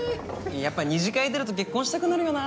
やっぱり２次会出ると結婚したくなるよな。